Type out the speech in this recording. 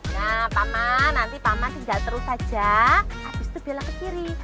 nah paman nanti paman tinggal terus aja habis itu biar kiri